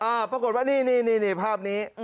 อ่าปรากฏว่านี่นี่นี่ภาพนี้